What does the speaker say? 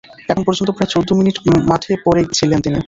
এখন পর্যন্ত প্রায় চৌদ্দ মিনিট মাঠে পড়ে ছিলেন তিনি।